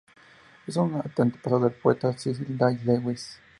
Es un antepasado del poeta Cecil Day-Lewis.